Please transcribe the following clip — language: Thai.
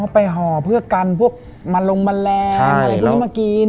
ไปห่อเพื่อกันพวกมันลงแมลงอะไรพวกนี้มากิน